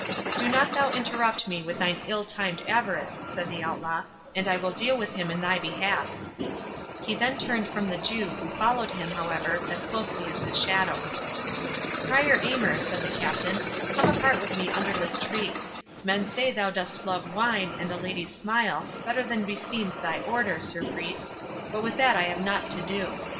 "Do not thou interrupt me with thine ill timed avarice," said the Outlaw, "and I will deal with him in thy behalf." He then turned from the Jew, who followed him, however, as closely as his shadow. "Prior Aymer," said the Captain, "come apart with me under this tree. Men say thou dost love wine, and a lady's smile, better than beseems thy Order, Sir Priest; but with that I have nought to do.